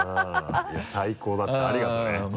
最高だったありがとね。